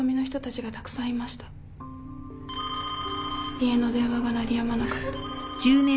家の電話が鳴りやまなかった。